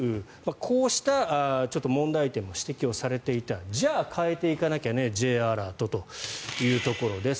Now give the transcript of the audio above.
こうした問題点も指摘をされていたじゃあ、変えていかなきゃねＪアラートというところです。